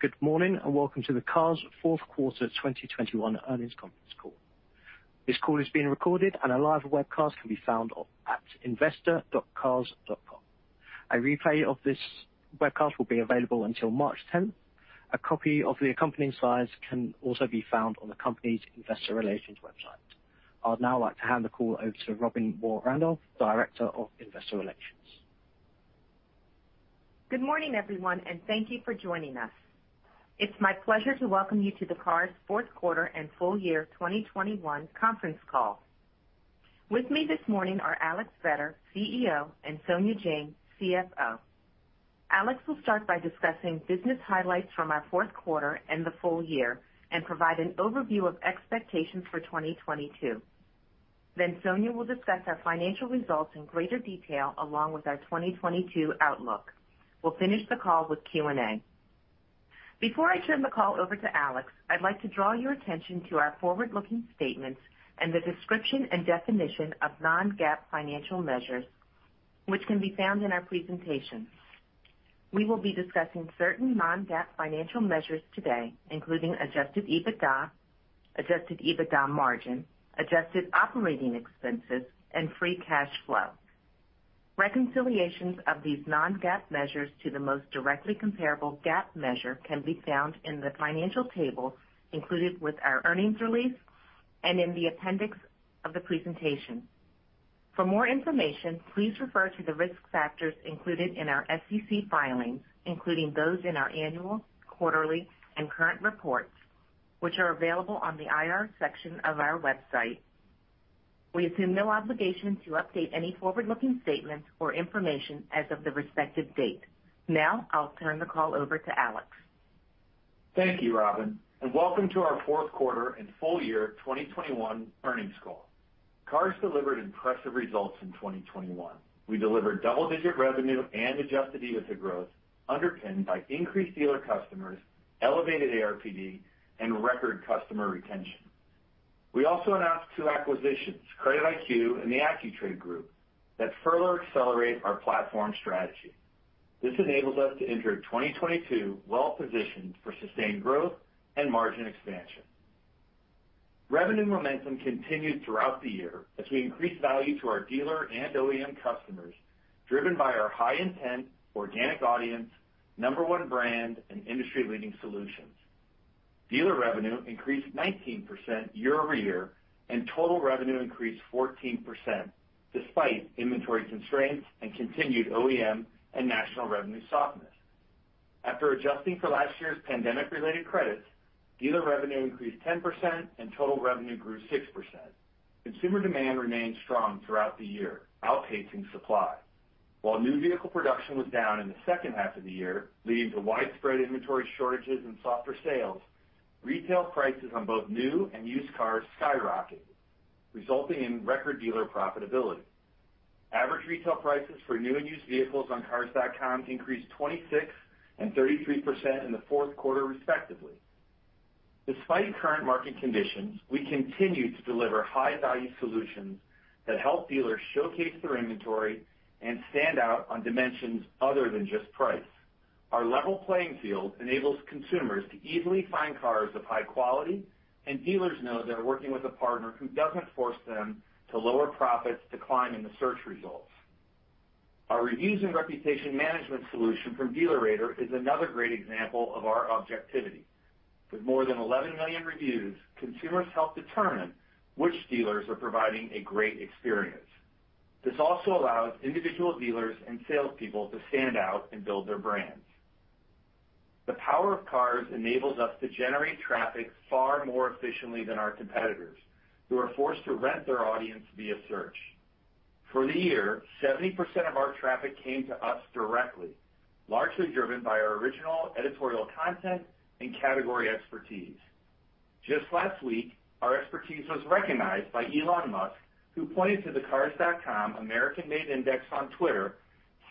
Good morning, and welcome to the Cars.com fourth quarter 2021 earnings conference call. This call is being recorded and a live webcast can be found at investor.cars.com. A replay of this webcast will be available until March 10. A copy of the accompanying slides can also be found on the company's investor relations website. I'd now like to hand the call over to Robbin Moore-Randolph, Director of Investor Relations. Good morning, everyone, and thank you for joining us. It's my pleasure to welcome you to the Cars.com fourth quarter and full year 2021 conference call. With me this morning are Alex Vetter, CEO, and Sonia Jain, CFO. Alex will start by discussing business highlights from our fourth quarter and the full year and provide an overview of expectations for 2022. Then Sonia will discuss our financial results in greater detail, along with our 2022 outlook. We'll finish the call with Q&A. Before I turn the call over to Alex, I'd like to draw your attention to our forward-looking statements and the description and definition of non-GAAP financial measures which can be found in our presentation. We will be discussing certain non-GAAP financial measures today, including adjusted EBITDA, adjusted EBITDA margin, adjusted operating expenses, and free cash flow. Reconciliations of these non-GAAP measures to the most directly comparable GAAP measure can be found in the financial table included with our earnings release and in the appendix of the presentation. For more information, please refer to the risk factors included in our SEC filings, including those in our annual, quarterly, and current reports, which are available on the IR section of our website. We assume no obligation to update any forward-looking statements or information as of the respective date. Now, I'll turn the call over to Alex. Thank you, Robin, and welcome to our fourth quarter and full year 2021 earnings call. Cars delivered impressive results in 2021. We delivered double-digit revenue and adjusted EBITDA growth underpinned by increased dealer customers, elevated ARPD, and record customer retention. We also announced two acquisitions, CreditIQ and the Accu-Trade Group, that further accelerate our platform strategy. This enables us to enter 2022 well-positioned for sustained growth and margin expansion. Revenue momentum continued throughout the year as we increased value to our dealer and OEM customers, driven by our high intent, organic audience, number one brand, and industry-leading solutions. Dealer revenue increased 19% year-over-year, and total revenue increased 14% despite inventory constraints and continued OEM and national revenue softness. After adjusting for last year's pandemic-related credits, dealer revenue increased 10% and total revenue grew 6%. Consumer demand remained strong throughout the year, outpacing supply. While new vehicle production was down in the second half of the year, leading to widespread inventory shortages and softer sales, retail prices on both new and used cars skyrocketed, resulting in record dealer profitability. Average retail prices for new and used vehicles on Cars.com increased 26% and 33% in the fourth quarter, respectively. Despite current market conditions, we continue to deliver high-value solutions that help dealers showcase their inventory and stand out on dimensions other than just price. Our level playing field enables consumers to easily find cars of high quality, and dealers know they're working with a partner who doesn't force them to lower profits to climb in the search results. Our reviews and reputation management solution from DealerRater is another great example of our objectivity. With more than 11 million reviews, consumers help determine which dealers are providing a great experience. This also allows individual dealers and salespeople to stand out and build their brands. The power of Cars enables us to generate traffic far more efficiently than our competitors who are forced to rent their audience via search. For the year, 70% of our traffic came to us directly, largely driven by our original editorial content and category expertise. Just last week, our expertise was recognized by Elon Musk, who pointed to the cars.com American-Made Index on Twitter,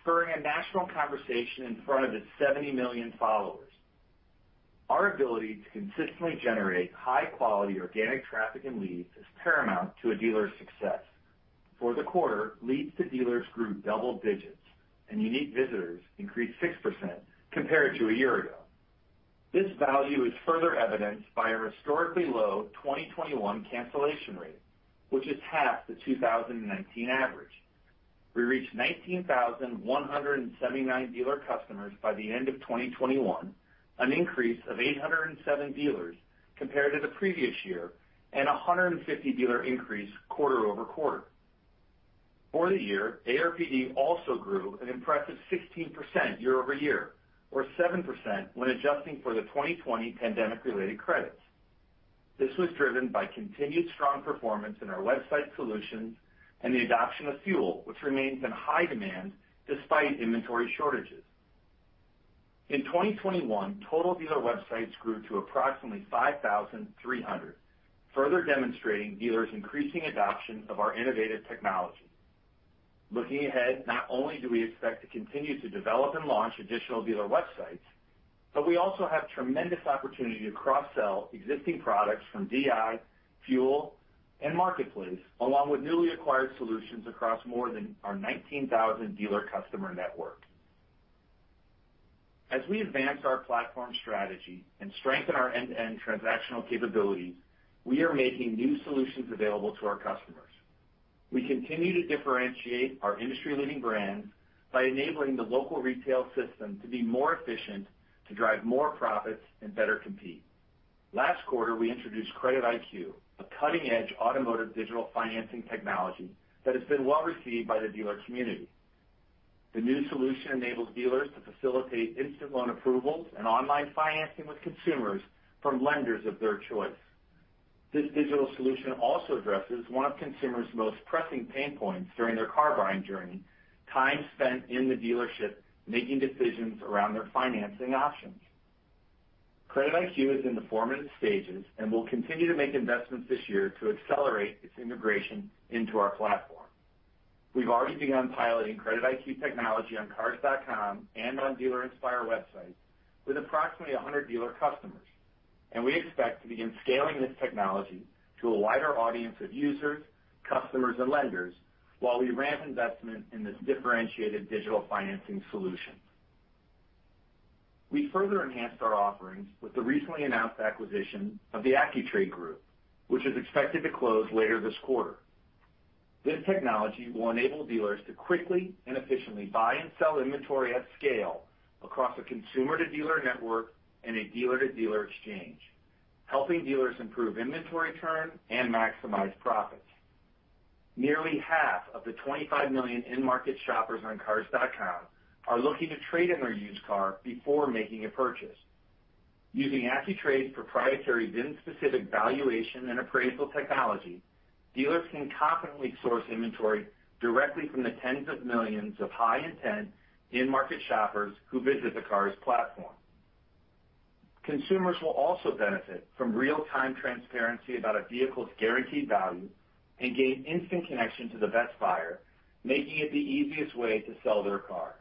spurring a national conversation in front of his 70 million followers. Our ability to consistently generate high-quality organic traffic and leads is paramount to a dealer's success. For the quarter, leads to dealers grew double digits, and unique visitors increased 6% compared to a year ago. This value is further evidenced by a historically low 2021 cancellation rate, which is half the 2019 average. We reached 19,179 dealer customers by the end of 2021, an increase of 807 dealers compared to the previous year, and a 150 dealer increase quarter-over-quarter. For the year, ARPD also grew an impressive 16% year-over-year or 7% when adjusting for the 2020 pandemic-related credits. This was driven by continued strong performance in our website solutions and the adoption of FUEL, which remains in high demand despite inventory shortages. In 2021, total dealer websites grew to approximately 5,300, further demonstrating dealers' increasing adoption of our innovative technology. Looking ahead, not only do we expect to continue to develop and launch additional dealer websites. We also have tremendous opportunity to cross-sell existing products from DI, FUEL, and marketplace, along with newly acquired solutions across more than our 19,000 dealer customer network. As we advance our platform strategy and strengthen our end-to-end transactional capabilities, we are making new solutions available to our customers. We continue to differentiate our industry-leading brands by enabling the local retail system to be more efficient, to drive more profits and better compete. Last quarter, we introduced CreditIQ, a cutting-edge automotive digital financing technology that has been well received by the dealer community. The new solution enables dealers to facilitate instant loan approvals and online financing with consumers from lenders of their choice. This digital solution also addresses one of consumer's most pressing pain points during their car buying journey, time spent in the dealership making decisions around their financing options. CreditIQ is in the formative stages, and we'll continue to make investments this year to accelerate its integration into our platform. We've already begun piloting CreditIQ technology on cars.com and on Dealer Inspire websites with approximately 100 dealer customers, and we expect to begin scaling this technology to a wider audience of users, customers, and lenders while we ramp investment in this differentiated digital financing solution. We further enhanced our offerings with the recently announced acquisition of the Accu-Trade Group, which is expected to close later this quarter. This technology will enable dealers to quickly and efficiently buy and sell inventory at scale across a consumer-to-dealer network and a dealer-to-dealer exchange, helping dealers improve inventory turn and maximize profits. Nearly half of the 25 million end market shoppers on cars.com are looking to trade in their used car before making a purchase. Using Accu-Trade's proprietary VIN-specific valuation and appraisal technology, dealers can confidently source inventory directly from the tens of millions of high intent in market shoppers who visit the cars platform. Consumers will also benefit from real-time transparency about a vehicle's guaranteed value and gain instant connection to the best buyer, making it the easiest way to sell their car.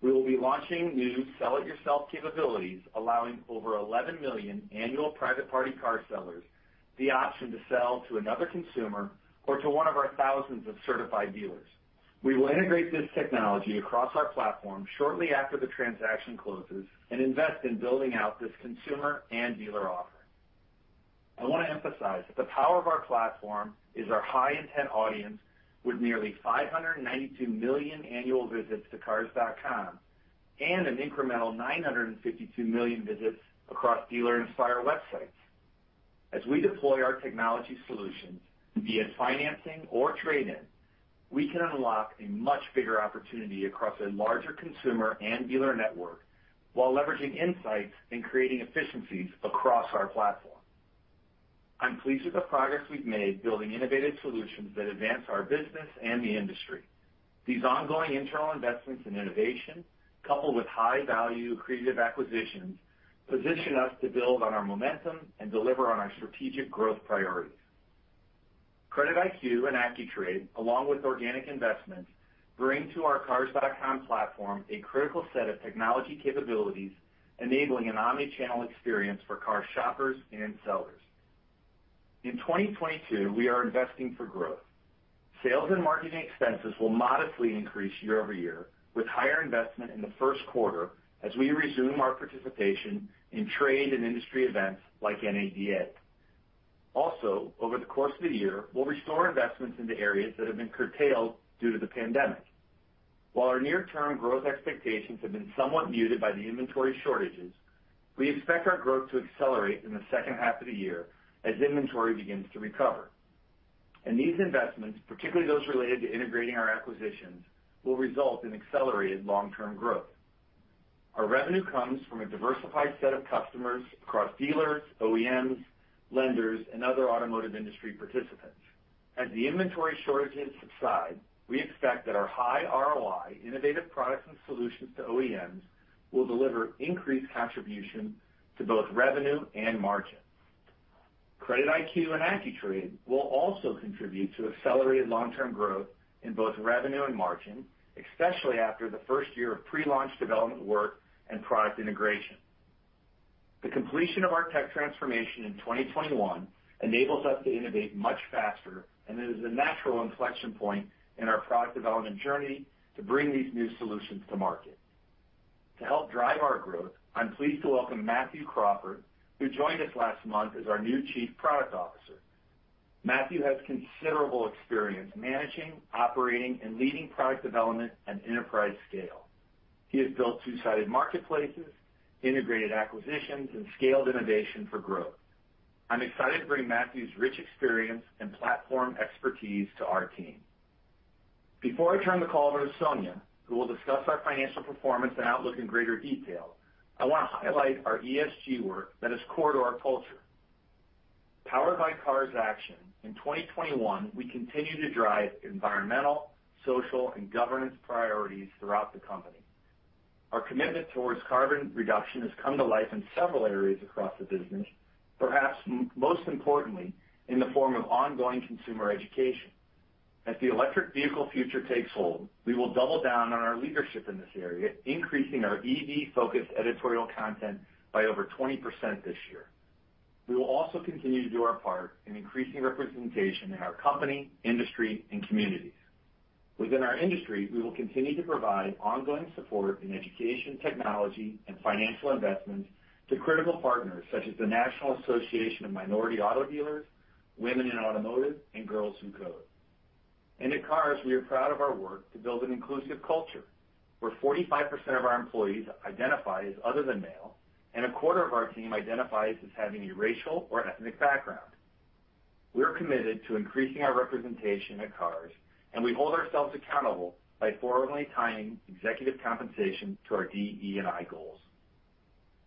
We will be launching new sell-it-yourself capabilities, allowing over 11 million annual private party car sellers the option to sell to another consumer or to one of our thousands of certified dealers. We will integrate this technology across our platform shortly after the transaction closes and invest in building out this consumer and dealer offer. I want to emphasize that the power of our platform is our high intent audience with nearly 592 million annual visits to cars.com and an incremental 952 million visits across Dealer Inspire websites. As we deploy our technology solutions via financing or trade-in, we can unlock a much bigger opportunity across a larger consumer and dealer network while leveraging insights and creating efficiencies across our platform. I'm pleased with the progress we've made building innovative solutions that advance our business and the industry. These ongoing internal investments in innovation, coupled with high-value creative acquisitions, position us to build on our momentum and deliver on our strategic growth priorities. CreditIQ and Accu-Trade, along with organic investments, bring to our Cars.com platform a critical set of technology capabilities, enabling an omni-channel experience for car shoppers and sellers. In 2022, we are investing for growth. Sales and marketing expenses will modestly increase year-over-year with higher investment in the first quarter as we resume our participation in trade and industry events like NADA. Also, over the course of the year, we'll restore investments into areas that have been curtailed due to the pandemic. While our near-term growth expectations have been somewhat muted by the inventory shortages, we expect our growth to accelerate in the second half of the year as inventory begins to recover. These investments, particularly those related to integrating our acquisitions, will result in accelerated long-term growth. Our revenue comes from a diversified set of customers across dealers, OEMs, lenders, and other automotive industry participants. As the inventory shortages subside, we expect that our high ROI innovative products and solutions to OEMs will deliver increased contribution to both revenue and margin. CreditIQ and Accu-Trade will also contribute to accelerated long-term growth in both revenue and margin, especially after the first year of pre-launch development work and product integration. The completion of our tech transformation in 2021 enables us to innovate much faster, and it is a natural inflection point in our product development journey to bring these new solutions to market. To help drive our growth, I'm pleased to welcome Matthew Crawford, who joined us last month as our new Chief Product Officer. Matthew has considerable experience managing, operating, and leading product development at enterprise scale. He has built two-sided marketplaces, integrated acquisitions, and scaled innovation for growth. I'm excited to bring Matthew's rich experience and platform expertise to our team. Before I turn the call over to Sonia, who will discuss our financial performance and outlook in greater detail, I want to highlight our ESG work that is core to our culture. Powered by CARS Action, in 2021, we continue to drive environmental, social, and governance priorities throughout the company. Our commitment towards carbon reduction has come to life in several areas across the business, perhaps most importantly, in the form of ongoing consumer education. As the electric vehicle future takes hold, we will double down on our leadership in this area, increasing our EV focused editorial content by over 20% this year. We will also continue to do our part in increasing representation in our company, industry and communities. Within our industry, we will continue to provide ongoing support in education, technology and financial investments to critical partners such as the National Association of Minority Automobile Dealers, Women In Automotive and Girls Who Code. At Cars, we are proud of our work to build an inclusive culture where 45% of our employees identify as other than male, and a quarter of our team identifies as having a racial or ethnic background. We are committed to increasing our representation at Cars, and we hold ourselves accountable by formally tying executive compensation to our DE&I goals.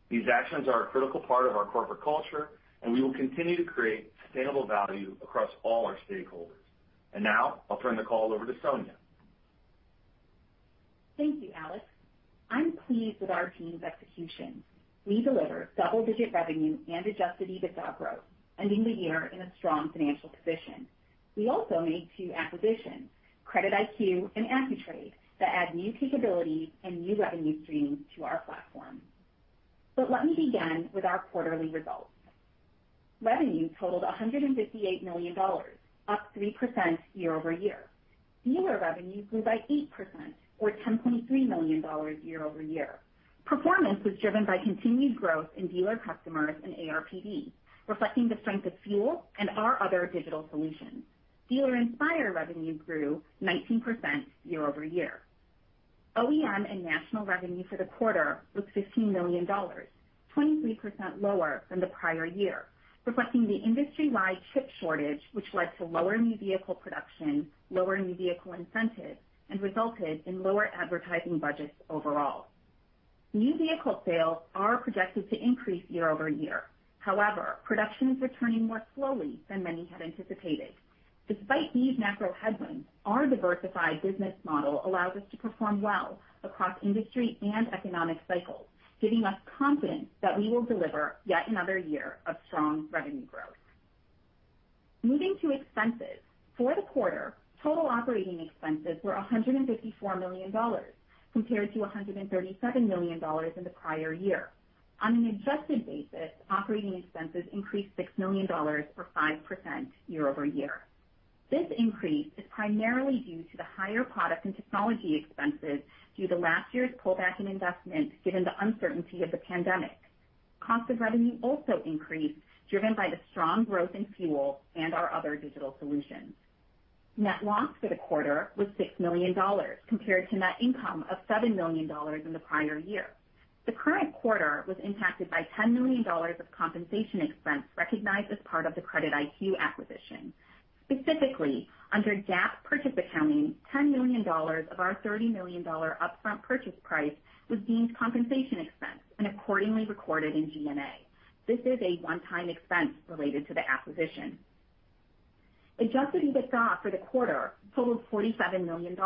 These actions are a critical part of our corporate culture and we will continue to create sustainable value across all our stakeholders. Now I'll turn the call over to Sonia. Thank you, Alex. I'm pleased with our team's execution. We delivered double-digit revenue and adjusted EBITDA growth ending the year in a strong financial position. We also made two acquisitions, CreditIQ and Accu-Trade, that add new capabilities and new revenue streams to our platform. Let me begin with our quarterly results. Revenue totaled $158 million, up 3% year-over-year. Dealer revenue grew by 8% or $10.3 million year-over-year. Performance was driven by continued growth in dealer customers and ARPD, reflecting the strength of FUEL and our other digital solutions. Dealer Inspire revenue grew 19% year-over-year. OEM and national revenue for the quarter was $15 million, 23% lower than the prior year, reflecting the industry-wide chip shortage, which led to lower new vehicle production, lower new vehicle incentives, and resulted in lower advertising budgets overall. New vehicle sales are projected to increase year-over-year. However, production is returning more slowly than many had anticipated. Despite these macro headwinds, our diversified business model allows us to perform well across industry and economic cycles, giving us confidence that we will deliver yet another year of strong revenue growth. Moving to expenses. For the quarter, total operating expenses were $154 million compared to $137 million in the prior year. On an adjusted basis, operating expenses increased $6 million or 5% year-over-year. This increase is primarily due to the higher product and technology expenses due to last year's pullback in investment given the uncertainty of the pandemic. Cost of revenue also increased, driven by the strong growth in fuel and our other digital solutions. Net loss for the quarter was $6 million compared to net income of $7 million in the prior year. The current quarter was impacted by $10 million of compensation expense recognized as part of the CreditIQ acquisition. Specifically under GAAP purchase accounting, $10 million of our $30 million upfront purchase price was deemed compensation expense and accordingly recorded in G&A. This is a one time expense related to the acquisition. Adjusted EBITDA for the quarter totaled $47 million,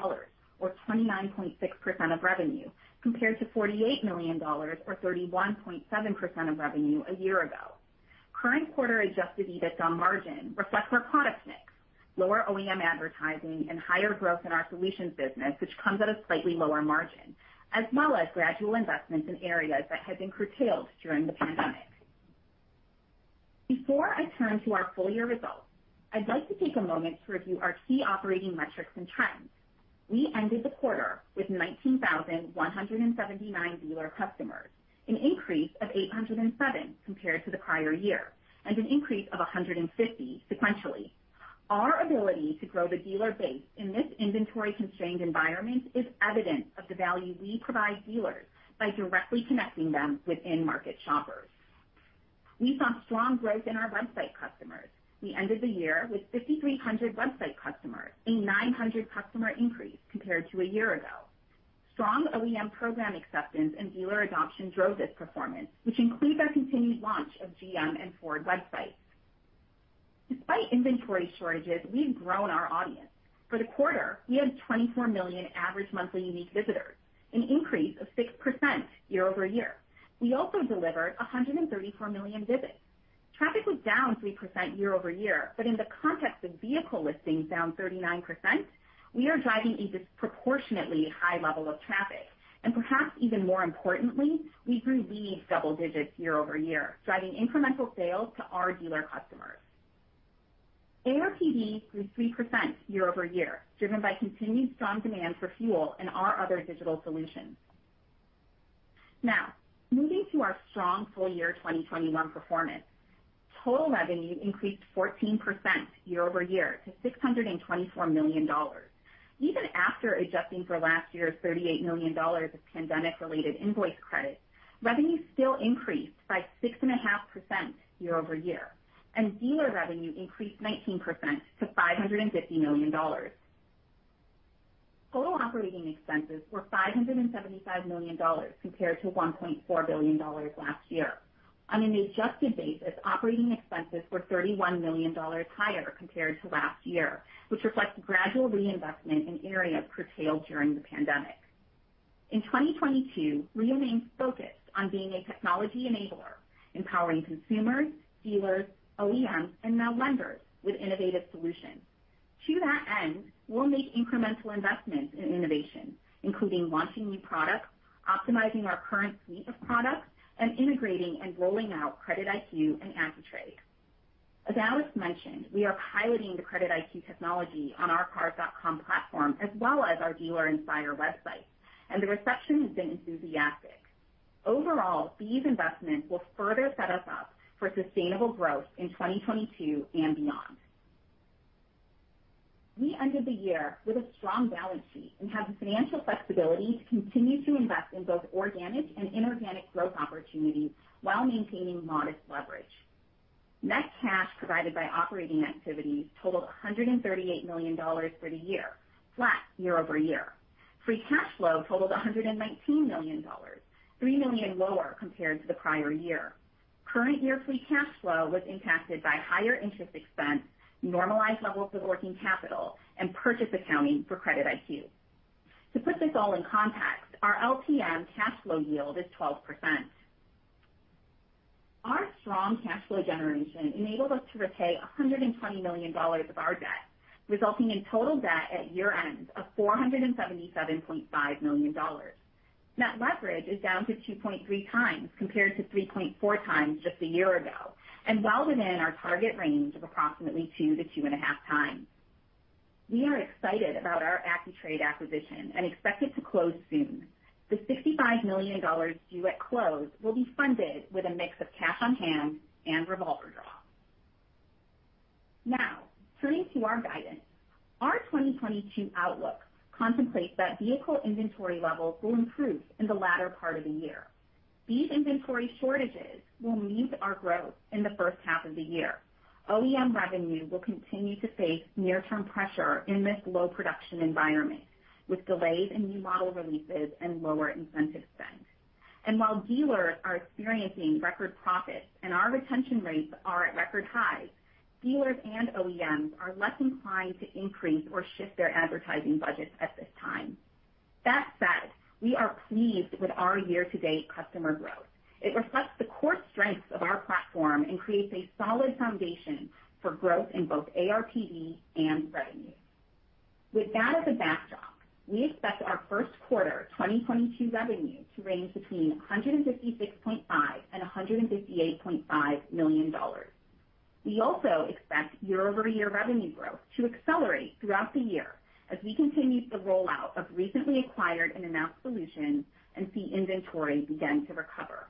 or 29.6% of revenue, compared to $48 million or 31.7% of revenue a year ago. Current quarter adjusted EBITDA margin reflects our product mix, lower OEM advertising and higher growth in our solutions business, which comes at a slightly lower margin, as well as gradual investments in areas that had been curtailed during the pandemic. Before I turn to our full year results, I'd like to take a moment to review our key operating metrics and trends. We ended the quarter with 19,179 dealer customers, an increase of 807 compared to the prior year, and an increase of 150 sequentially. Our ability to grow the dealer base in this inventory constrained environment is evident of the value we provide dealers by directly connecting them with in-market shoppers. We saw strong growth in our website customers. We ended the year with 5,300 website customers, a 900 customer increase compared to a year ago. Strong OEM program acceptance and dealer adoption drove this performance, which includes our continued launch of GM and Ford websites. Despite inventory shortages, we've grown our audience. For the quarter, we had 24 million average monthly unique visitors, an increase of 6% year-over-year. We also delivered 134 million visits. Traffic was down 3% year over year, but in the context of vehicle listings down 39%, we are driving a disproportionately high level of traffic. Perhaps even more importantly, we grew leads double digits year over year, driving incremental sales to our dealer customers. ARPD grew 3% year over year, driven by continued strong demand for fuel and our other digital solutions. Now moving to our strong full year 2021 performance. Total revenue increased 14% year over year to $624 million. Even after adjusting for last year's $38 million of pandemic related invoice credits, revenue still increased by 6.5% year-over-year, and dealer revenue increased 19% to $550 million. Total operating expenses were $575 million compared to $1.4 billion last year. On an adjusted basis, operating expenses were $31 million higher compared to last year, which reflects gradual reinvestment in areas curtailed during the pandemic. In 2022, we remain focused on being a technology enabler, empowering consumers, dealers, OEMs, and now lenders with innovative solutions. To that end, we'll make incremental investments in innovation, including launching new products, optimizing our current suite of products, and integrating and rolling out CreditIQ and Accu-Trade. As Alex mentioned, we are piloting the CreditIQ technology on our Cars.com platform, as well as our dealer and buyer websites, and the reception has been enthusiastic. Overall, these investments will further set us up for sustainable growth in 2022 and beyond. We ended the year with a strong balance sheet and have the financial flexibility to continue to invest in both organic and inorganic growth opportunities while maintaining modest leverage. Net cash provided by operating activities totaled $138 million for the year, flat year-over-year. Free cash flow totaled $119 million, $3 million lower compared to the prior year. Current year free cash flow was impacted by higher interest expense, normalized levels of working capital, and purchase accounting for CreditIQ. To put this all in context, our LTM cash flow yield is 12%. Our strong cash flow generation enabled us to repay $120 million of our debt, resulting in total debt at year-end of $477.5 million. Net leverage is down to 2.3 times compared to 3.4 times just a year ago, and well within our target range of approximately 2-2.5 times. We are excited about our Accu-Trade acquisition and expect it to close soon. The $65 million due at close will be funded with a mix of cash on hand and revolver draw. Now, turning to our guidance. Our 2022 outlook contemplates that vehicle inventory levels will improve in the latter part of the year. These inventory shortages will mute our growth in the first half of the year. OEM revenue will continue to face near-term pressure in this low production environment, with delays in new model releases and lower incentive spend. While dealers are experiencing record profits and our retention rates are at record highs, dealers and OEMs are less inclined to increase or shift their advertising budgets at this time. That said, we are pleased with our year-to-date customer growth. It reflects the core strengths of our platform and creates a solid foundation for growth in both ARPD and revenue. With that as a backdrop, we expect our first quarter 2022 revenue to range between $156.5 million and $158.5 million. We also expect year-over-year revenue growth to accelerate throughout the year as we continue the rollout of recently acquired and announced solutions and see inventory begin to recover.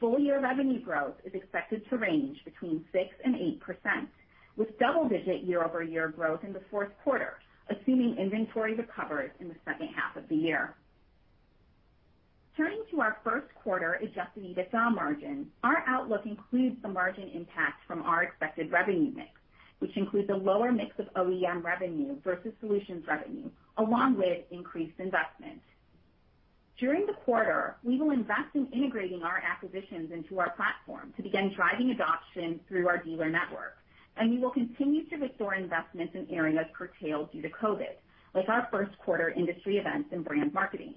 Full year revenue growth is expected to range between 6% and 8%, with double-digit year-over-year growth in the fourth quarter, assuming inventory recovers in the second half of the year. Turning to our first quarter adjusted EBITDA margin, our outlook includes the margin impact from our expected revenue mix, which includes a lower mix of OEM revenue versus solutions revenue, along with increased investment. During the quarter, we will invest in integrating our acquisitions into our platform to begin driving adoption through our dealer network, and we will continue to restore investments in areas curtailed due to COVID, like our first quarter industry events and brand marketing.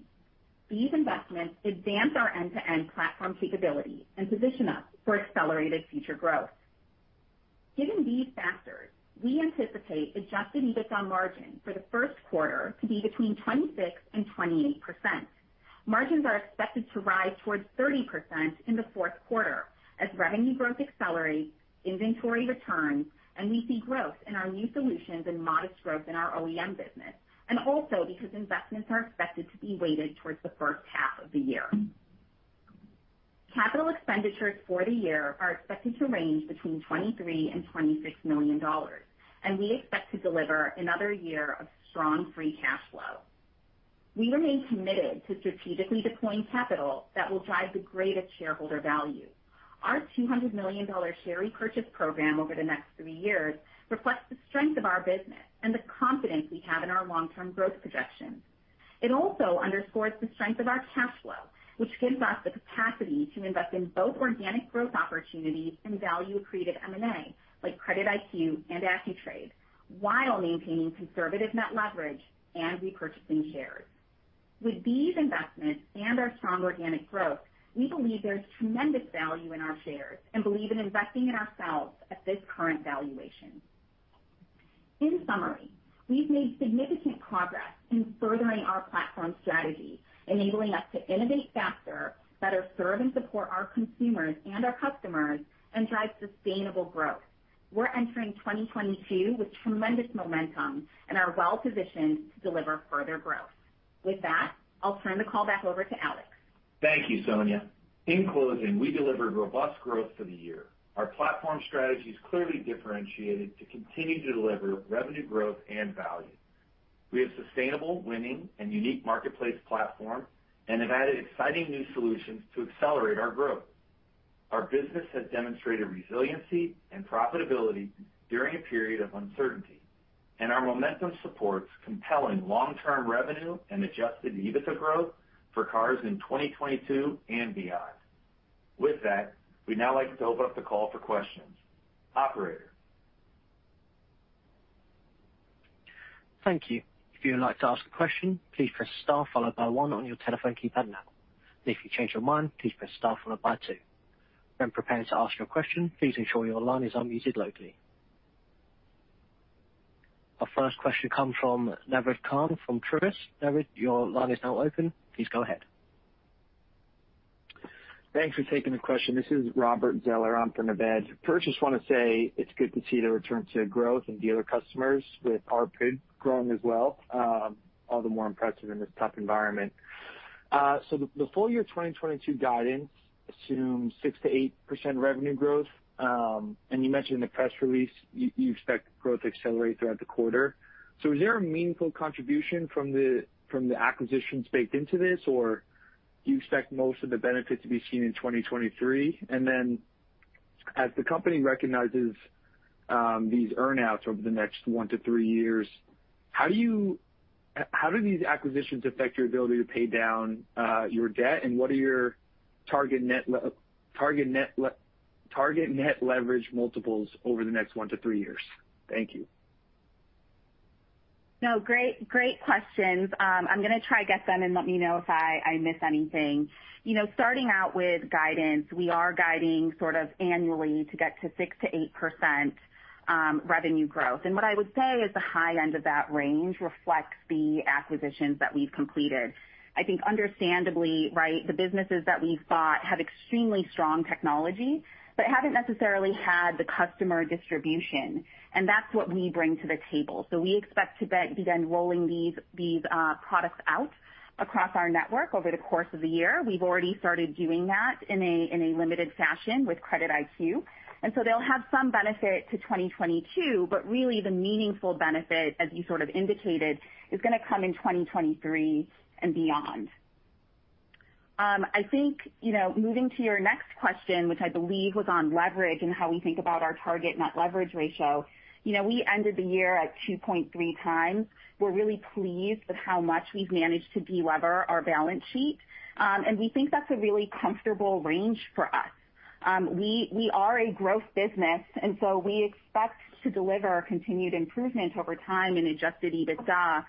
These investments advance our end-to-end platform capability and position us for accelerated future growth. Given these factors, we anticipate adjusted EBITDA margin for the first quarter to be between 26% and 28%. Margins are expected to rise towards 30% in the fourth quarter as revenue growth accelerates, inventory returns, and we see growth in our new solutions and modest growth in our OEM business, and also because investments are expected to be weighted towards the first half of the year. Capital expenditures for the year are expected to range between $23 million and $26 million, and we expect to deliver another year of strong free cash flow. We remain committed to strategically deploying capital that will drive the greatest shareholder value. Our $200 million share repurchase program over the next 3 years reflects the strength of our business and the confidence we have in our long-term growth projections. It also underscores the strength of our cash flow, which gives us the capacity to invest in both organic growth opportunities and value-accretive M&A, like CreditIQ and Accu-Trade, while maintaining conservative net leverage and repurchasing shares. With these investments and our strong organic growth, we believe there's tremendous value in our shares and believe in investing in ourselves at this current valuation. In summary, we've made significant progress in furthering our platform strategy, enabling us to innovate faster, better serve and support our consumers and our customers, and drive sustainable growth. We're entering 2022 with tremendous momentum and are well-positioned to deliver further growth. With that, I'll turn the call back over to Alex. Thank you, Sonia. In closing, we delivered robust growth for the year. Our platform strategy is clearly differentiated to continue to deliver revenue growth and value. We have sustainable, winning, and unique marketplace platform and have added exciting new solutions to accelerate our growth. Our business has demonstrated resiliency and profitability during a period of uncertainty, and our momentum supports compelling long-term revenue and adjusted EBITDA growth for Cars.com in 2022 and beyond. With that, we'd now like to open up the call for questions. Operator? Thank you. Our first question comes from Naved Khan from Truist. Naved, your line is now open. Please go ahead. Thanks for taking the question. This is Robert Zeller. I'm from Naved. First, just wanna say it's good to see the return to growth and dealer customers with ARPD growing as well, all the more impressive in this tough environment. The full year 2022 guidance assumes 6%-8% revenue growth. You mentioned in the press release you expect growth to accelerate throughout the quarter. Is there a meaningful contribution from the acquisitions baked into this? Or do you expect most of the benefit to be seen in 2023? As the company recognizes these earn outs over the next 1-3 years, how do these acquisitions affect your ability to pay down your debt? What are your target net leverage multiples over the next 1-3 years? Thank you. No, great questions. I'm gonna try to get them and let me know if I miss anything. You know, starting out with guidance, we are guiding sort of annually to get to 6%-8% revenue growth. What I would say is the high end of that range reflects the acquisitions that we've completed. I think understandably, right, the businesses that we've bought have extremely strong technology but haven't necessarily had the customer distribution, and that's what we bring to the table. We expect to begin rolling these products out across our network over the course of the year. We've already started doing that in a limited fashion with CreditIQ, and so they'll have some benefit to 2022, but really the meaningful benefit, as you sort of indicated, is gonna come in 2023 and beyond. I think, you know, moving to your next question, which I believe was on leverage and how we think about our target net leverage ratio. You know, we ended the year at 2.3 times. We're really pleased with how much we've managed to de-lever our balance sheet. We think that's a really comfortable range for us. We are a growth business, and so we expect to deliver continued improvement over time in adjusted EBITDA.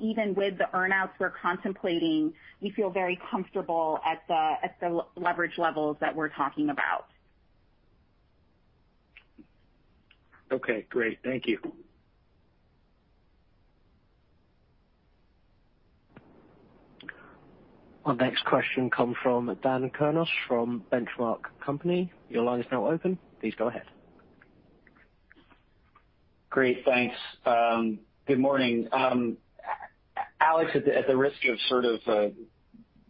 Even with the earn outs we're contemplating, we feel very comfortable at the leverage levels that we're talking about. Okay, great. Thank you. Our next question comes from Dan Kurnos from The Benchmark Company. Your line is now open. Please go ahead. Great, thanks. Good morning. Alex, at the risk of sort of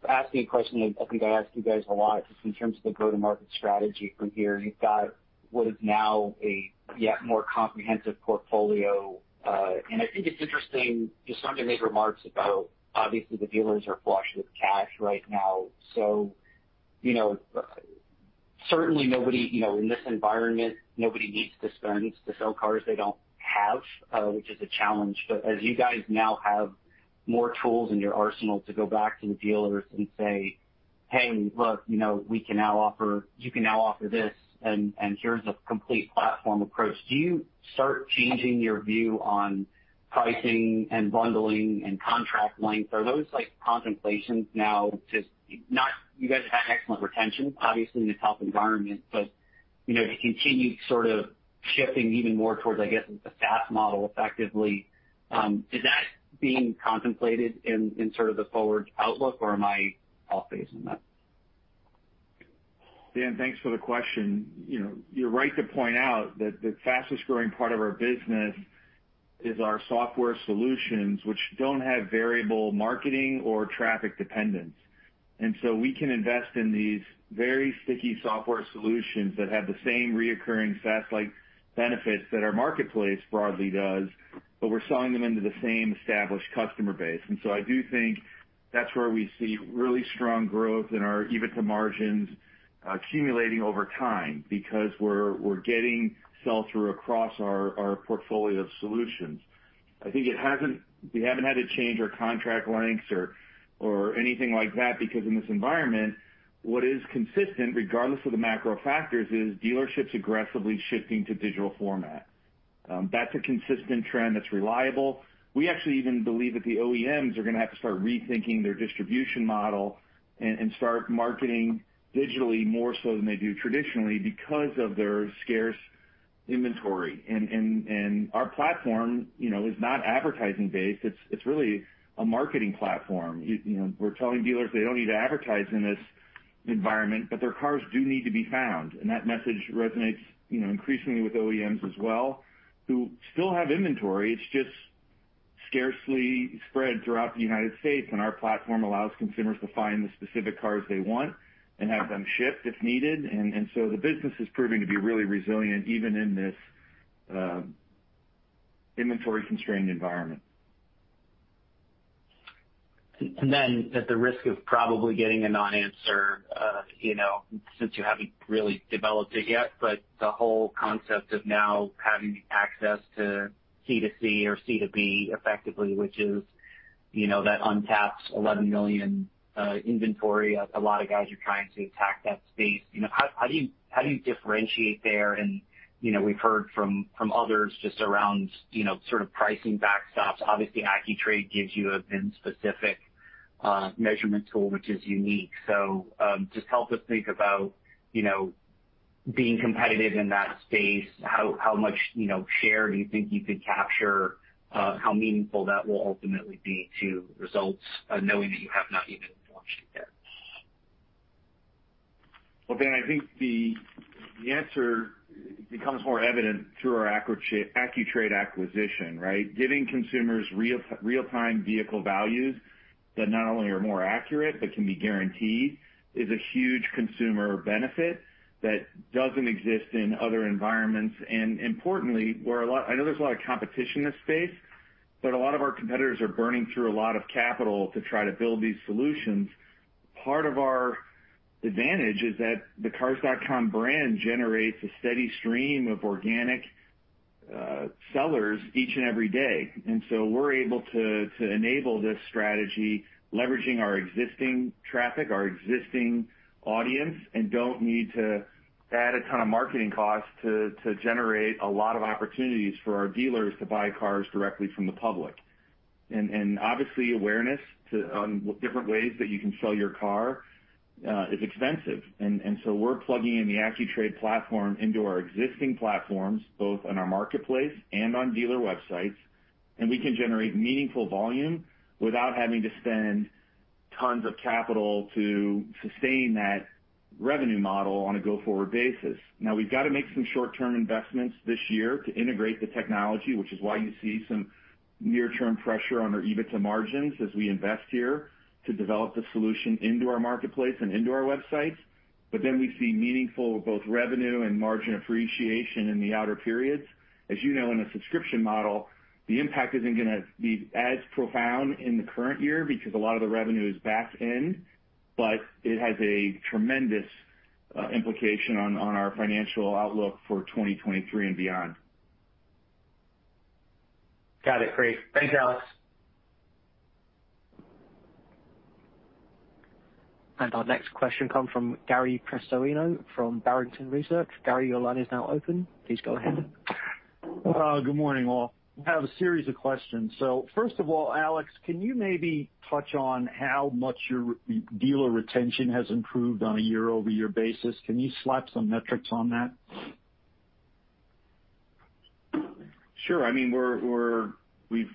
asking a question that I think I ask you guys a lot just in terms of the go-to-market strategy from here, you've got what is now a yet more comprehensive portfolio. I think it's interesting, just under these remarks about obviously the dealers are flush with cash right now, so you know, certainly nobody, you know, in this environment, nobody needs to spend to sell cars they don't have, which is a challenge. As you guys now have more tools in your arsenal to go back to the dealers and say, "Hey, look, you know, we can now offer, you can now offer this, and here's a complete platform approach." Do you start changing your view on pricing and bundling and contract length? Are those like contemplations now? You guys have had excellent retention, obviously in this health environment, but, you know, to continue sort of shifting even more towards, I guess, the SaaS model effectively, is that being contemplated in sort of the forward outlook, or am I off base in that? Dan, thanks for the question. You know, you're right to point out that the fastest growing part of our business is our software solutions, which don't have variable marketing or traffic dependence. We can invest in these very sticky software solutions that have the same recurring SaaS-like benefits that our marketplace broadly does, but we're selling them into the same established customer base. I do think that's where we see really strong growth in our EBITDA margins, accumulating over time because we're getting sell-through across our portfolio of solutions. I think we haven't had to change our contract lengths or anything like that because in this environment, what is consistent, regardless of the macro factors, is dealerships aggressively shifting to digital format. That's a consistent trend that's reliable. We actually even believe that the OEMs are gonna have to start rethinking their distribution model and start marketing digitally more so than they do traditionally because of their scarce inventory. Our platform, you know, is not advertising based. It's really a marketing platform. You know, we're telling dealers they don't need to advertise in this environment, but their cars do need to be found. That message resonates, you know, increasingly with OEMs as well, who still have inventory. It's just scarcely spread throughout the United States, and our platform allows consumers to find the specific cars they want and have them shipped if needed. The business is proving to be really resilient even in this inventory constrained environment. At the risk of probably getting a non-answer, you know, since you haven't really developed it yet, but the whole concept of now having access to C2C or C2B effectively, which is, you know, that untapped 11 million inventory, a lot of guys are trying to attack that space. You know, how do you differentiate there? You know, we've heard from others just around, you know, sort of pricing backstops. Obviously, Accu-Trade gives you a VIN-specific measurement tool, which is unique. Just help us think about, you know, being competitive in that space. How much share do you think you could capture? How meaningful that will ultimately be to results, knowing that you have not even launched it yet? Well, Ben, I think the answer becomes more evident through our Accu-Trade acquisition, right? Giving consumers real-time vehicle values that not only are more accurate but can be guaranteed is a huge consumer benefit that doesn't exist in other environments. Importantly, I know there's a lot of competition in this space, but a lot of our competitors are burning through a lot of capital to try to build these solutions. Part of our advantage is that the Cars.com brand generates a steady stream of organic sellers each and every day. We're able to enable this strategy leveraging our existing traffic, our existing audience, and don't need to add a ton of marketing costs to generate a lot of opportunities for our dealers to buy cars directly from the public. Obviously, awareness on different ways that you can sell your car is expensive. We're plugging in the Accu-Trade platform into our existing platforms, both on our marketplace and on dealer websites, and we can generate meaningful volume without having to spend tons of capital to sustain that revenue model on a go-forward basis. Now, we've got to make some short-term investments this year to integrate the technology, which is why you see some near-term pressure on our EBITDA margins as we invest here to develop the solution into our marketplace and into our websites. We see meaningful both revenue and margin appreciation in the outer periods. As you know, in a subscription model, the impact isn't gonna be as profound in the current year because a lot of the revenue is back-end, but it has a tremendous implication on our financial outlook for 2023 and beyond. Got it. Great. Thanks, Alex. Our next question comes from Gary Prestopino from Barrington Research. Gary, your line is now open. Please go ahead. Good morning, all. I have a series of questions. First of all, Alex, can you maybe touch on how much your dealer retention has improved on a year-over-year basis? Can you slap some metrics on that? Sure. I mean,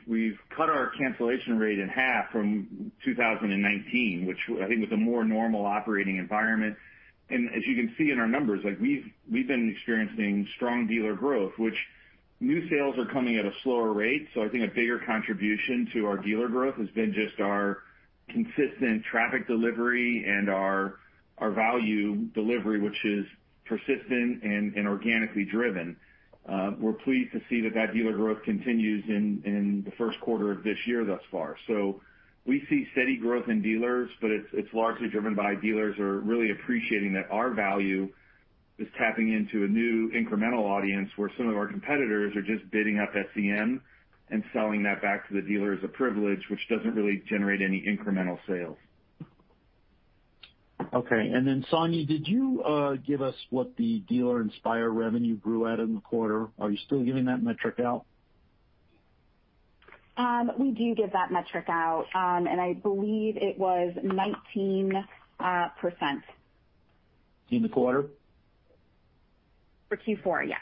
we've cut our cancellation rate in half from 2019, which I think was a more normal operating environment. As you can see in our numbers, like, we've been experiencing strong dealer growth, while new sales are coming at a slower rate. I think a bigger contribution to our dealer growth has been just our consistent traffic delivery and our value delivery, which is persistent and organically driven. We're pleased to see that dealer growth continues in the first quarter of this year thus far. we see steady growth in dealers, but it's largely driven by dealers who are really appreciating that our value is tapping into a new incremental audience, where some of our competitors are just bidding up SEM and selling that back to the dealer as a privilege, which doesn't really generate any incremental sales. Okay. Sonia, did you give us what the Dealer Inspire revenue grew at in the quarter? Are you still giving that metric out? We do give that metric out, and I believe it was 19%. In the quarter? For Q4, yes.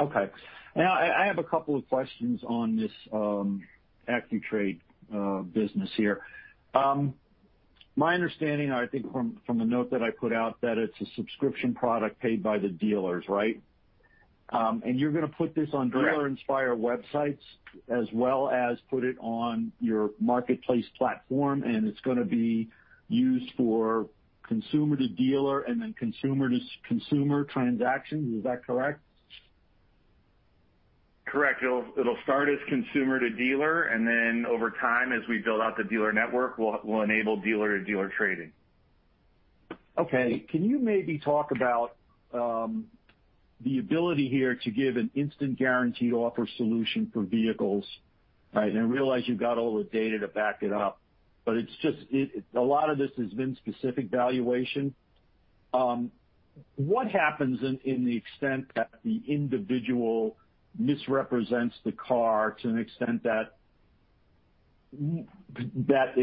Okay. Now I have a couple of questions on this Accu-Trade business here. My understanding, I think from the note that I put out, that it's a subscription product paid by the dealers, right? You're gonna put this on- Right. Dealer Inspire websites as well as put it on your marketplace platform, and it's gonna be used for consumer-to-dealer and then consumer-to-consumer transactions. Is that correct? Correct. It'll start as consumer to dealer and then over time, as we build out the dealer network, we'll enable dealer to dealer trading. Okay. Can you maybe talk about the ability here to give an instant guaranteed offer solution for vehicles? Right? I realize you've got all the data to back it up, but it's just that a lot of this has been specific valuation. What happens to the extent that the individual misrepresents the car to an extent that there's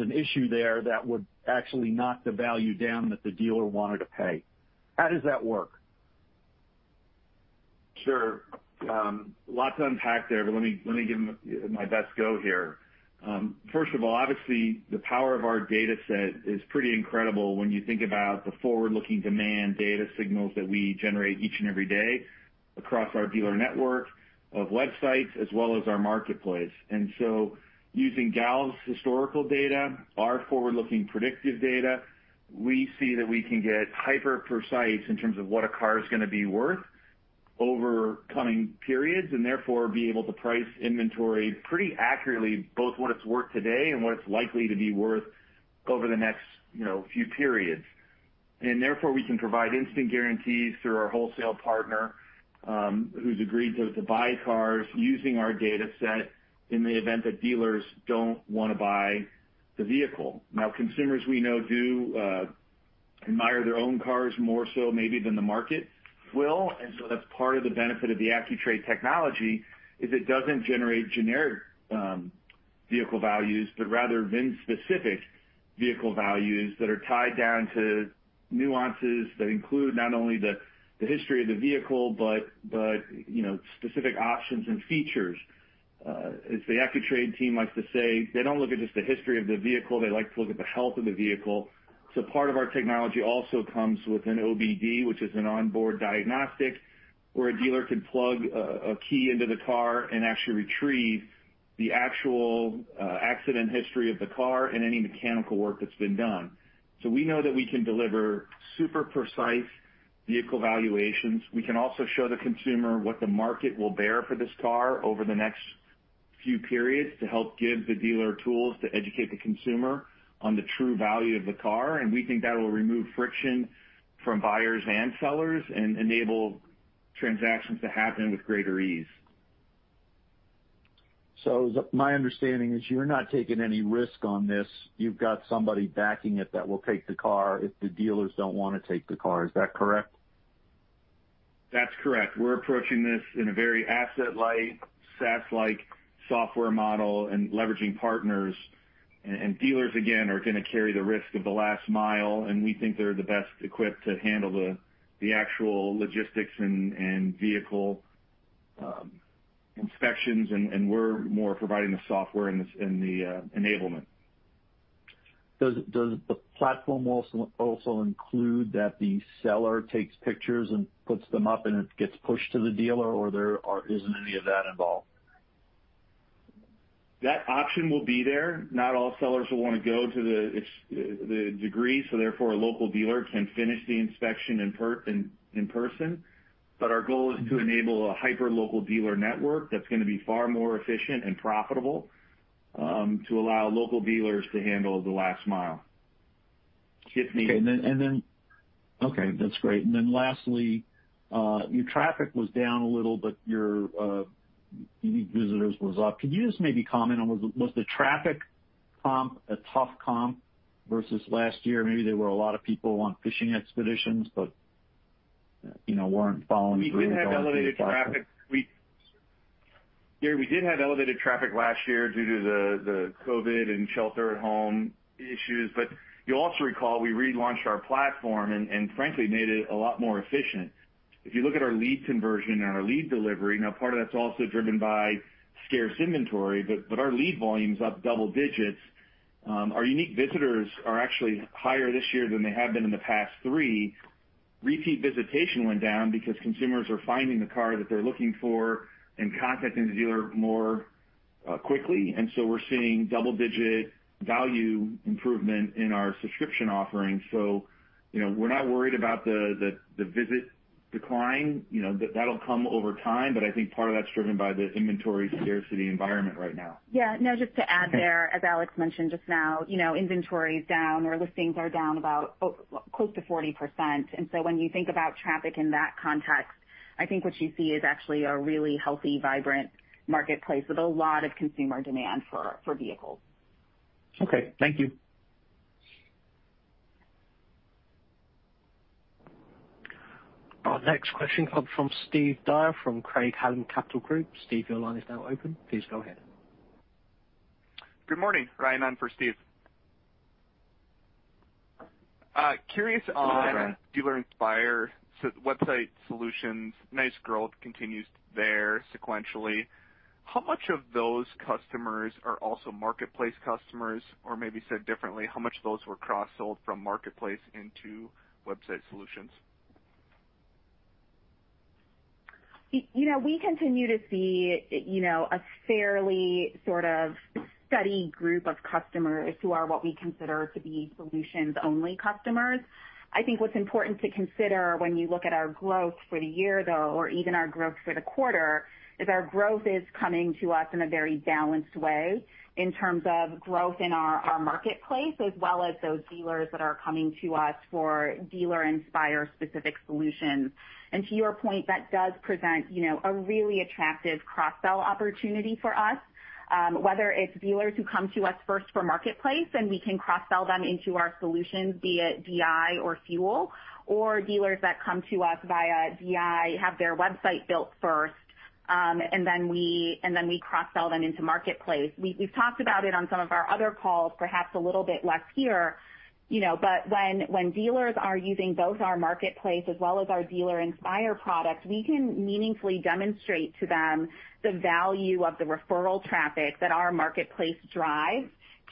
an issue there that would actually knock the value down that the dealer wanted to pay? How does that work? Sure. Lot to unpack there, but let me give them my best go here. First of all, obviously the power of our data set is pretty incredible when you think about the forward-looking demand data signals that we generate each and every day across our dealer network of websites as well as our marketplace. Using Galves historical data, our forward-looking predictive data, we see that we can get hyper precise in terms of what a car is gonna be worth over coming periods and therefore be able to price inventory pretty accurately, both what it's worth today and what it's likely to be worth over the next, you know, few periods. Therefore, we can provide instant guarantees through our wholesale partner, who's agreed to buy cars using our data set in the event that dealers don't wanna buy the vehicle. Now, consumers we know do admire their own cars more so maybe than the market will. That's part of the benefit of the Accu-Trade technology, is it doesn't generate generic vehicle values, but rather VIN-specific vehicle values that are tied down to nuances that include not only the history of the vehicle but you know, specific options and features. As the Accu-Trade team likes to say, they don't look at just the history of the vehicle, they like to look at the health of the vehicle. Part of our technology also comes with an OBD, which is an onboard diagnostic, where a dealer can plug a key into the car and actually retrieve the actual accident history of the car and any mechanical work that's been done. We know that we can deliver super precise vehicle valuations. We can also show the consumer what the market will bear for this car over the next few periods to help give the dealer tools to educate the consumer on the true value of the car. We think that'll remove friction from buyers and sellers and enable transactions to happen with greater ease. My understanding is you're not taking any risk on this. You've got somebody backing it that will take the car if the dealers don't wanna take the car. Is that correct? That's correct. We're approaching this in a very asset-light, SaaS-like software model and leveraging partners. Dealers, again, are gonna carry the risk of the last mile, and we think they're the best equipped to handle the actual logistics and vehicle inspections, and we're more providing the software and the enablement. Does the platform also include that the seller takes pictures and puts them up and it gets pushed to the dealer, or isn't any of that involved? That option will be there. Not all sellers will wanna go to the extent, the degree, so therefore a local dealer can finish the inspection in person. Our goal is to enable a hyper-local dealer network that's gonna be far more efficient and profitable to allow local dealers to handle the last mile if needed. Okay. That's great. Lastly, your traffic was down a little, but your unique visitors was up. Could you just maybe comment on was the traffic comp a tough comp versus last year? Maybe there were a lot of people on fishing expeditions, but you know, weren't following through in terms of We did have elevated traffic. Gary, we did have elevated traffic last year due to the COVID and shelter at home issues. But you'll also recall we relaunched our platform and frankly made it a lot more efficient. If you look at our lead conversion and our lead delivery, now part of that's also driven by scarce inventory, but our lead volume's up double digits. Our unique visitors are actually higher this year than they have been in the past three. Repeat visitation went down because consumers are finding the car that they're looking for and contacting the dealer more quickly. We're seeing double-digit value improvement in our subscription offerings. You know, we're not worried about the visit decline. You know, that'll come over time, but I think part of that's driven by the inventory scarcity environment right now. Yeah. No, just to add there, as Alex mentioned just now, you know, inventory is down or listings are down about, close to 40%. When you think about traffic in that context, I think what you see is actually a really healthy, vibrant marketplace with a lot of consumer demand for vehicles. Okay, thank you. Our next question comes from Steve Dyer from Craig-Hallum Capital Group. Steve, your line is now open. Please go ahead. Good morning. Ryan on for Steve. Curious on Dealer Inspire's website solutions. Nice growth continues there sequentially. How much of those customers are also Marketplace customers? Or maybe said differently, how much of those were cross-sold from Marketplace into website solutions? You know, we continue to see, you know, a fairly sort of steady group of customers who are what we consider to be solutions-only customers. I think what's important to consider when you look at our growth for the year, though, or even our growth for the quarter, is our growth is coming to us in a very balanced way in terms of growth in our Marketplace, as well as those dealers that are coming to us for Dealer Inspire specific solutions. To your point, that does present, you know, a really attractive cross-sell opportunity for us, whether it's dealers who come to us first for Marketplace, and we can cross-sell them into our solutions via DI or FUEL, or dealers that come to us via DI, have their website built first, and then we cross-sell them into Marketplace. We've talked about it on some of our other calls, perhaps a little bit less here, you know. When dealers are using both our Marketplace as well as our Dealer Inspire products, we can meaningfully demonstrate to them the value of the referral traffic that our Marketplace drives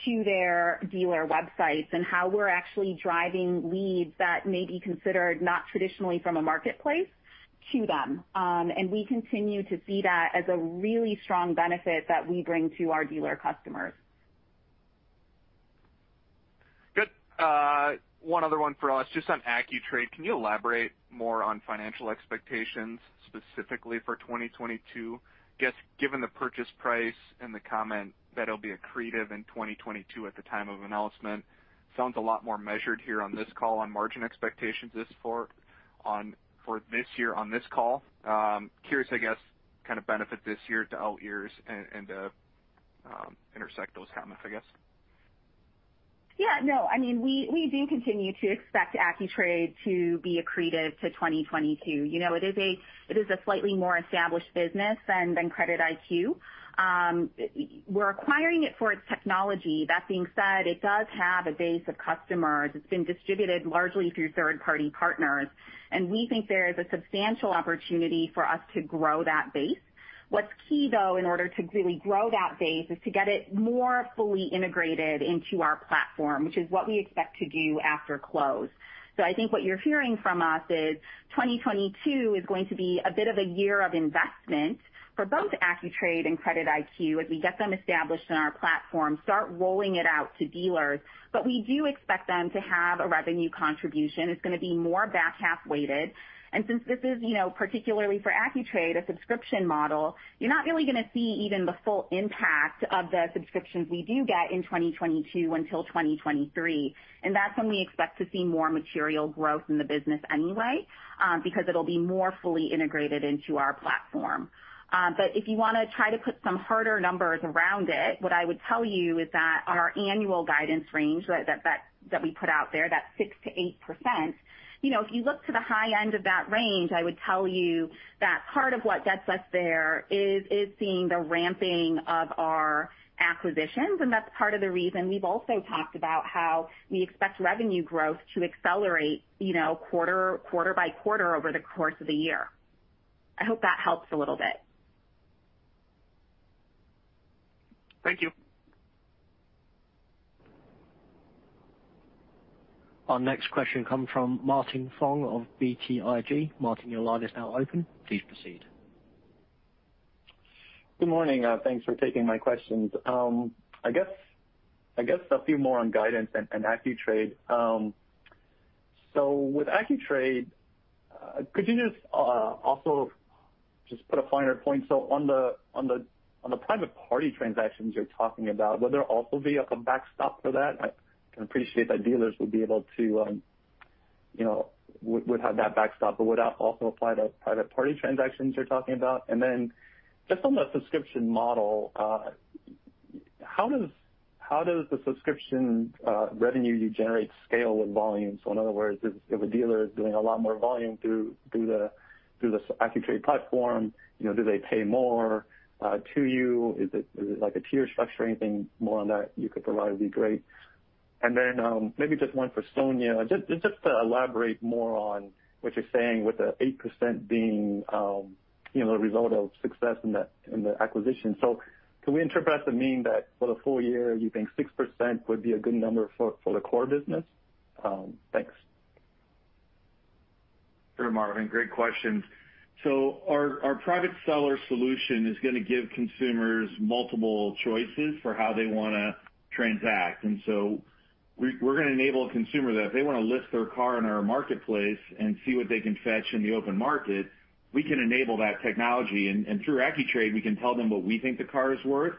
to their dealer websites and how we're actually driving leads that may be considered not traditionally from a marketplace to them. We continue to see that as a really strong benefit that we bring to our dealer customers. Good. One other one for us, just on Accu-Trade. Can you elaborate more on financial expectations, specifically for 2022? I guess, given the purchase price and the comment that it'll be accretive in 2022 at the time of announcement, sounds a lot more measured here on this call on margin expectations this far out for this year on this call. Curious, I guess, kinda benefit this year to out years and intersect those comments, I guess. Yeah, no. I mean, we do continue to expect Accu-Trade to be accretive to 2022. You know, it is a slightly more established business than CreditIQ. We're acquiring it for its technology. That being said, it does have a base of customers. It's been distributed largely through third-party partners, and we think there is a substantial opportunity for us to grow that base. What's key, though, in order to really grow that base is to get it more fully integrated into our platform, which is what we expect to do after close. I think what you're hearing from us is 2022 is going to be a bit of a year of investment for both Accu-Trade and CreditIQ as we get them established in our platform, start rolling it out to dealers. We do expect them to have a revenue contribution. It's gonna be more back-half weighted. Since this is, you know, particularly for Accu-Trade, a subscription model, you're not really gonna see even the full impact of the subscriptions we do get in 2022 until 2023. That's when we expect to see more material growth in the business anyway, because it'll be more fully integrated into our platform. If you wanna try to put some harder numbers around it, what I would tell you is that our annual guidance range that we put out there, that 6%-8%, you know, if you look to the high end of that range, I would tell you that part of what gets us there is seeing the ramping of our acquisitions. That's part of the reason we've also talked about how we expect revenue growth to accelerate, you know, quarter by quarter over the course of the year. I hope that helps a little bit. Thank you. Our next question comes from Marvin Fong of BTIG. Marvin, your line is now open. Please proceed. Good morning. Thanks for taking my questions. I guess a few more on guidance and Accu-Trade. With Accu-Trade, could you just also just put a finer point? On the private party transactions you're talking about, will there also be like a backstop for that? I can appreciate that dealers would have that backstop, but would that also apply to private party transactions you're talking about? Then just on the subscription model, how does the subscription revenue you generate scale with volume? In other words, if a dealer is doing a lot more volume through the Accu-Trade platform, you know, do they pay more to you? Is it like a tier structure? Anything more on that you could provide would be great. Maybe just one for Sonia to elaborate more on what you're saying with the 8% being you know a result of success in the acquisition. Can we interpret that to mean that for the full year you think 6% would be a good number for the core business? Thanks. Sure, Marvin, great questions. Our private seller solution is gonna give consumers multiple choices for how they wanna transact. We're gonna enable a consumer that if they wanna list their car in our marketplace and see what they can fetch in the open market, we can enable that technology. Through Accu-Trade, we can tell them what we think the car is worth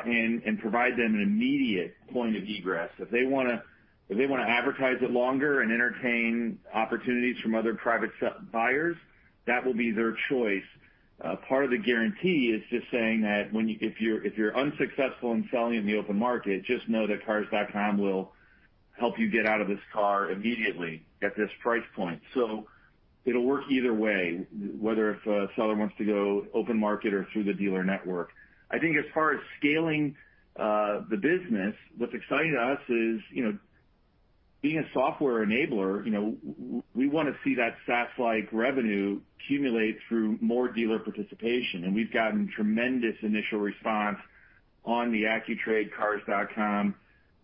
and provide them an immediate point of egress. If they wanna advertise it longer and entertain opportunities from other private buyers, that will be their choice. Part of the guarantee is just saying that if you're unsuccessful in selling in the open market, just know that Cars.com will help you get out of this car immediately at this price point. It'll work either way, whether if a seller wants to go open market or through the dealer network. I think as far as scaling, the business, what's exciting to us is, you know, being a software enabler, you know, we wanna see that SaaS-like revenue accumulate through more dealer participation. We've gotten tremendous initial response on the Accu-Trade Cars.com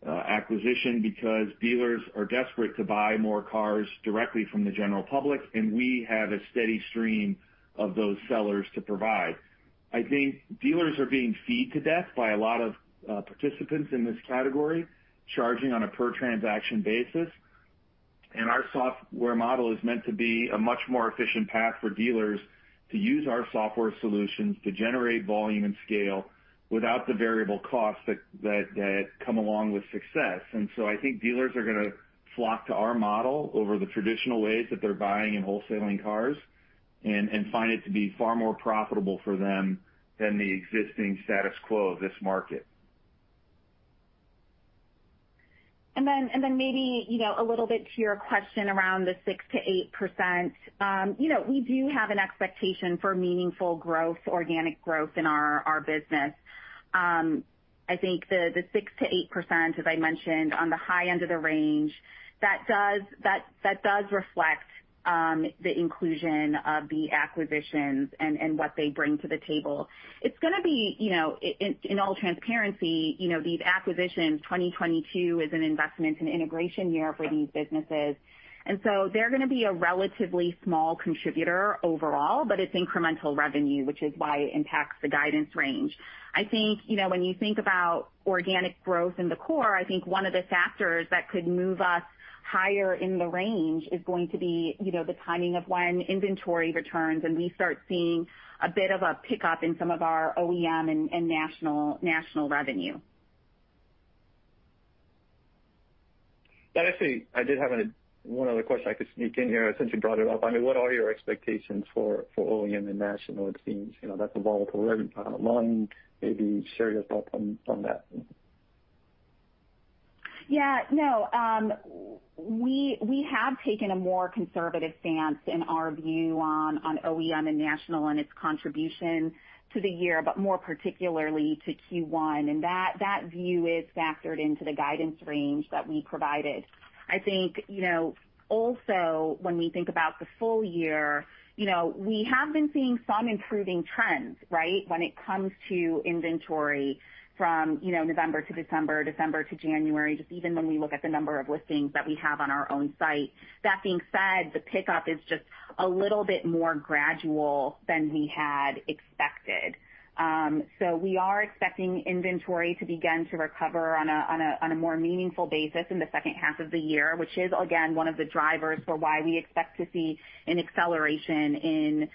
acquisition because dealers are desperate to buy more cars directly from the general public, and we have a steady stream of those sellers to provide. I think dealers are being fed to death by a lot of participants in this category, charging on a per transaction basis. Our software model is meant to be a much more efficient path for dealers to use our software solutions to generate volume and scale without the variable costs that come along with success. I think dealers are gonna flock to our model over the traditional ways that they're buying and wholesaling cars and find it to be far more profitable for them than the existing status quo of this market. Maybe, you know, a little bit to your question around the 6%-8%. We do have an expectation for meaningful growth, organic growth in our business. I think the 6%-8%, as I mentioned on the high end of the range, that does reflect the inclusion of the acquisitions and what they bring to the table. It's gonna be, you know, in all transparency, you know, these acquisitions, 2022 is an investment and integration year for these businesses. They're gonna be a relatively small contributor overall, but it's incremental revenue, which is why it impacts the guidance range. I think, you know, when you think about organic growth in the core, I think one of the factors that could move us higher in the range is going to be, you know, the timing of when inventory returns and we start seeing a bit of a pickup in some of our OEM and national revenue. Actually, I did have one other question I could sneak in here since you brought it up. I mean, what are your expectations for OEM and national? It seems, you know, that's a volatile area. Along, maybe share your thoughts on that. Yeah, no. We have taken a more conservative stance in our view on OEM and national and its contribution to the year, but more particularly to Q1. That view is factored into the guidance range that we provided. I think, you know, also when we think about the full year, you know, we have been seeing some improving trends, right? When it comes to inventory from, you know, November to December to January, just even when we look at the number of listings that we have on our own site. That being said, the pickup is just a little bit more gradual than we had expected. We are expecting inventory to begin to recover on a more meaningful basis in the second half of the year, which is again one of the drivers for why we expect to see an acceleration in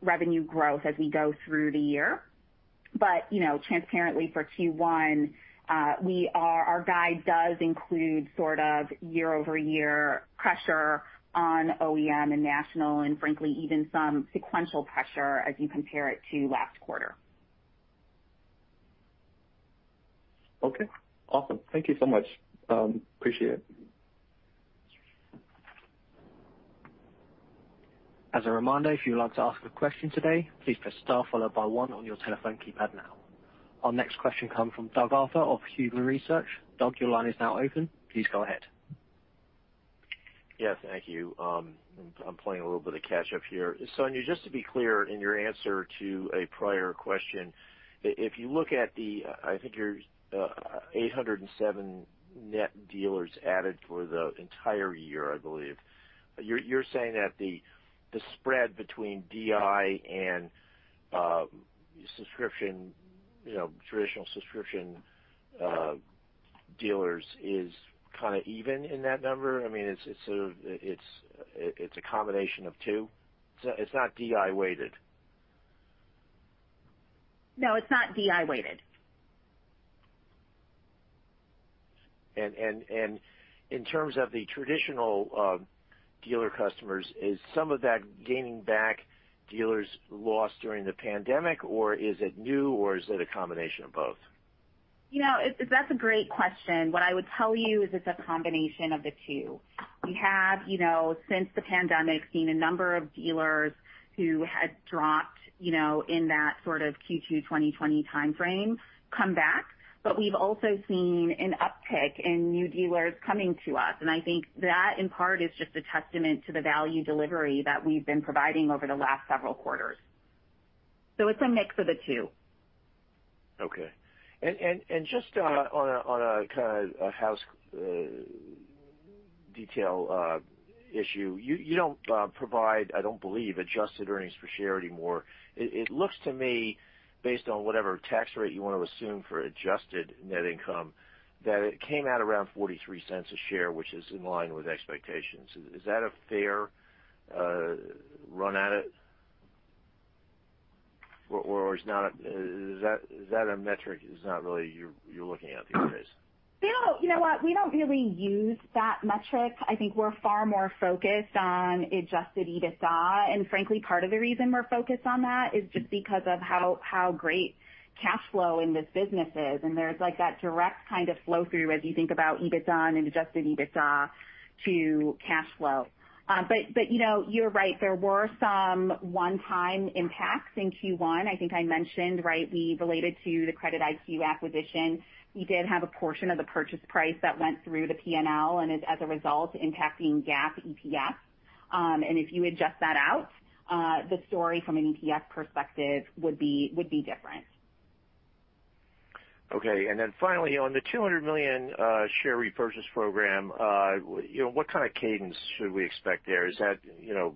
revenue growth as we go through the year. You know, transparently for Q1, our guide does include sort of year-over-year pressure on OEM and national, and frankly even some sequential pressure as you compare it to last quarter. Okay. Awesome. Thank you so much. Appreciate it. As a reminder, if you would like to ask a question today, please press star followed by one on your telephone keypad now. Our next question comes from Doug Arthur of Huber Research. Doug, your line is now open. Please go ahead. Yes, thank you. I'm playing a little bit of catch up here. Sonia, just to be clear in your answer to a prior question, if you look at the, I think your 807 net dealers added for the entire year, I believe. You're saying that the spread between DI and subscription, you know, traditional subscription dealers is kind of even in that number? I mean, it's sort of a combination of two. It's not DI weighted. No, it's not DI weighted. In terms of the traditional dealer customers, is some of that gaining back dealers lost during the pandemic, or is it new, or is it a combination of both? You know, that's a great question. What I would tell you is it's a combination of the two. We have, you know, since the pandemic, seen a number of dealers who had dropped, you know, in that sort of Q2 2020 timeframe come back. But we've also seen an uptick in new dealers coming to us. And I think that in part is just a testament to the value delivery that we've been providing over the last several quarters. It's a mix of the two. Okay. Just on a kind of housekeeping detail issue. You don't provide, I don't believe, adjusted earnings per share anymore. It looks to me based on whatever tax rate you wanna assume for adjusted net income, that it came out around $0.43 a share, which is in line with expectations. Is that a fair run at it? Or is that a metric that's not really what you're looking at these days? You know what? We don't really use that metric. I think we're far more focused on adjusted EBITDA. Frankly, part of the reason we're focused on that is just because of how great cash flow in this business is. There's like that direct kind of flow through as you think about EBITDA and adjusted EBITDA to cash flow. But you know, you're right, there were some one-time impacts in Q1. I think I mentioned, right, we related to the CreditIQ acquisition. We did have a portion of the purchase price that went through the P&L, and as a result, impacting GAAP EPS. If you adjust that out, the story from an EPS perspective would be different. Okay. Finally, on the $200 million share repurchase program, you know, what kind of cadence should we expect there? Is that, you know,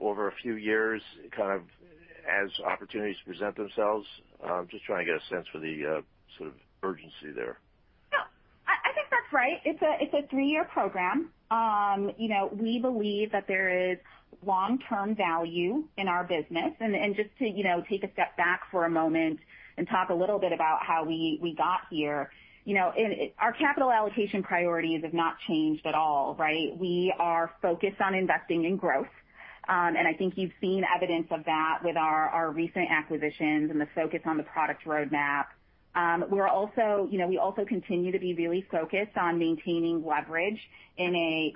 over a few years, kind of as opportunities present themselves? Just trying to get a sense for the sort of urgency there. No, I think that's right. It's a three-year program. You know, we believe that there is long-term value in our business. Just to, you know, take a step back for a moment and talk a little bit about how we got here. You know, our capital allocation priorities have not changed at all, right? We are focused on investing in growth. I think you've seen evidence of that with our recent acquisitions and the focus on the product roadmap. We're also, you know, we also continue to be really focused on maintaining leverage in a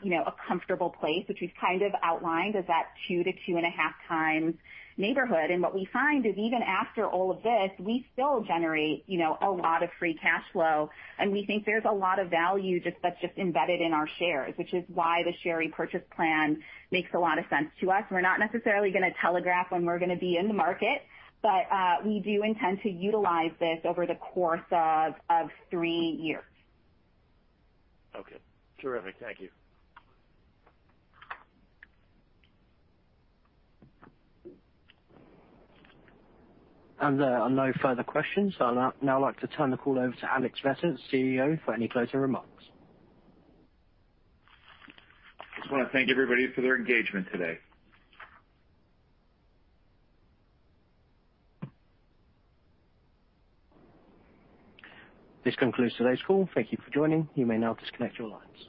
comfortable place, which we've kind of outlined is that 2-2.5 times neighborhood. What we find is even after all of this, we still generate, you know, a lot of free cash flow, and we think there's a lot of value just, that's just embedded in our shares, which is why the share repurchase plan makes a lot of sense to us. We're not necessarily gonna telegraph when we're gonna be in the market, but we do intend to utilize this over the course of three years. Okay. Terrific. Thank you. There are no further questions. I'll now like to turn the call over to Alex Vetter, CEO, for any closing remarks. Just wanna thank everybody for their engagement today. This concludes today's call. Thank you for joining. You may now disconnect your lines.